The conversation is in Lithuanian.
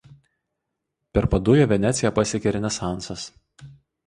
Per Padują Veneciją pasiekė Renesansas.